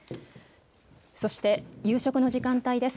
そして夕食の時間帯です。